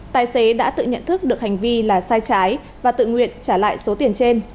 tài xế đã tự nhận thức được hành vi là sai trái và tự nguyện trả lại số tiền trên